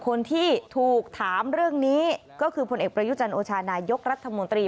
คนที่ถูกถามเรื่องนี้ก็คือผลเอกประยุจันทร์โอชานายกรัฐมนตรี